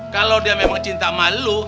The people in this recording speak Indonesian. kalau dia memang cinta sama lo